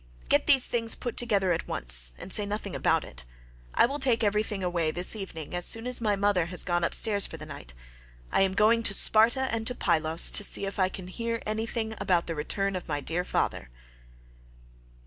Get these things put together at once, and say nothing about it. I will take everything away this evening as soon as my mother has gone upstairs for the night. I am going to Sparta and to Pylos to see if I can hear anything about the return of my dear father."